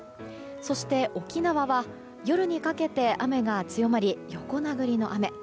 そして沖縄は夜にかけて雨が強まり横殴りの雨。